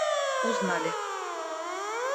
узнали